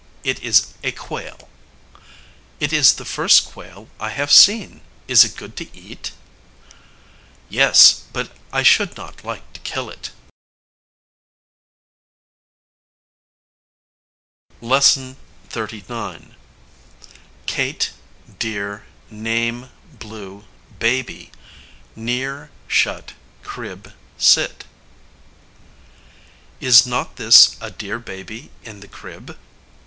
"It is a quail." "It is the first quail I have seen. Is it good to eat?" "Yes; but I should not like to kill it." LESSON XXXIX. Kate dear name blue baby near shut crib sit [Illustration: Baby sleeping in crib.] Is not this a dear baby in the crib?